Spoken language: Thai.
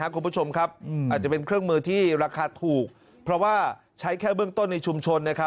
คุณผู้ชมครับอาจจะเป็นเครื่องมือที่ราคาถูกเพราะว่าใช้แค่เบื้องต้นในชุมชน